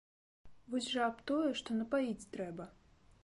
Вось жа аб тое, што напаіць трэба.